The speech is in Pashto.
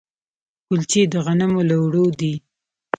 کلچې د غنمو له اوړو دي.